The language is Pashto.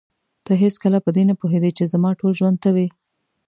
ته هېڅکله په دې نه پوهېدې چې زما ټول ژوند ته وې.